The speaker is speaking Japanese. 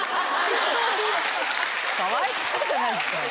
かわいそうじゃないですか